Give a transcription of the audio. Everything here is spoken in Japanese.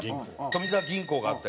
富澤銀行があったりとか。